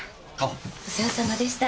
お世話様でした。